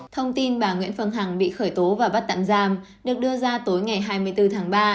thông tin bà nguyễn phương hằng bị khởi tố và bắt tạm giam được đưa ra tối ngày hai mươi bốn tháng ba